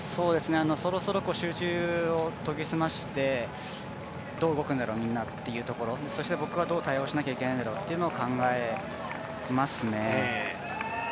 そろそろ集中を研ぎ澄ましてどう動くんだろうみんな、っていうところそして、僕はどう対応しなきゃいけないんだろうということを考えますね。